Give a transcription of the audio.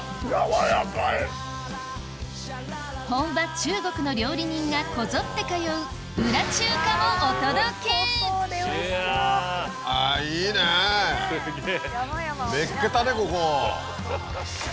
本場中国の料理人がこぞって通う裏中華もお届けすげぇ。